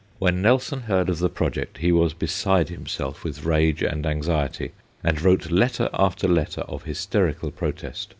When Nelson heard of the project he was beside himself with rage and anxiety, and wrote letter after letter of hysterical protest.